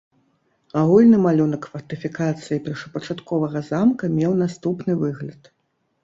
Агульны малюнак фартыфікацыі першапачатковага замка меў наступны выгляд.